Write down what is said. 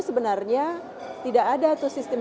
sebenarnya tidak ada tuh sistem